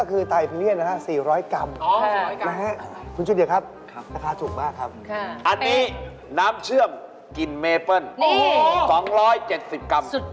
๔๐๐กรัมนะครับคุณชุดเดียครับราคาถูกมากครับอันนี้น้ำเชื่อมกินเมปเปิ้ล๒๗๐กรัมสุดยอด